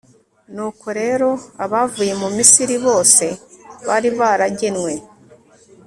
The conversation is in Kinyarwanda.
nuko rero, abavuye mu misiri bose bari baragenywe